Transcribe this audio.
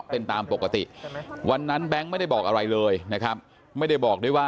ผมก็เสียใจนะครับ